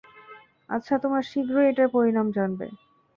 আচ্ছা, তোমরা শীঘ্রই এটার পরিণাম জানবে।